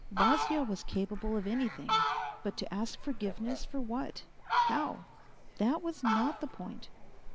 Vasya was capable of anything, but to ask forgiveness for what ? how ? That was not the point.